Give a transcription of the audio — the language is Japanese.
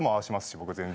僕全然。